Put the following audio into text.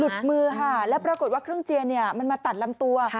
มือค่ะแล้วปรากฏว่าเครื่องเจียนมันมาตัดลำตัว